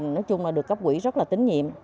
nói chung là được cấp quỹ rất là tín nhiệm